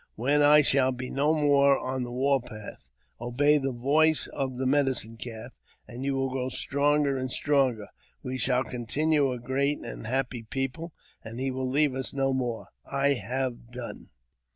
When I shall be no more on the war path, obey the voice of the Medicine Calf, and you will grow stronger and stronger ; we shall continue a great and a happy people, and he will leave us no more. I have done."